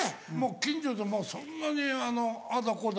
近所でもそんなにああだこうだ